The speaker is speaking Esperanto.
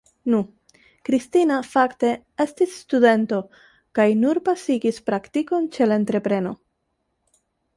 Nu, Kristina fakte estis studento kaj nur pasigis praktikon ĉe la entrepreno.